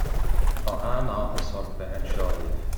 Tá an-áthas orm bheith anseo libh